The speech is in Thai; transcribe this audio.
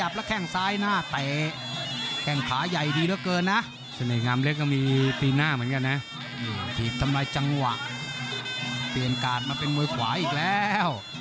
เปลี่ยนการ์ดมาเป็นมวยขวาอีกแล้ว